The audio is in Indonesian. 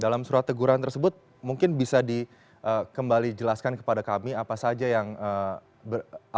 dalam surat teguran tersebut mungkin bisa dikembali jelaskan kepada kami apa saja yang berhasil